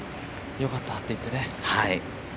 良かったって言ってね。